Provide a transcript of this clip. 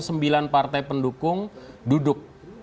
sembilan partai pendukung duduk